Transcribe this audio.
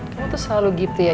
kamu tuh selalu gitu ya